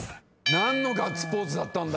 何のガッツポーズだったんだ？